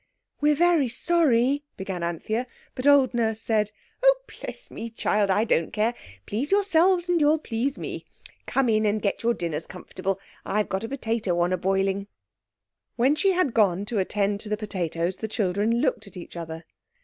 "We're very sorry," began Anthea, but old Nurse said— "Oh, bless me, child, I don't care! Please yourselves and you'll please me. Come in and get your dinners comf'table. I've got a potato on a boiling." When she had gone to attend to the potatoes the children looked at each other.